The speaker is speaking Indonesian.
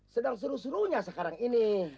sedang seru serunya sekarang ini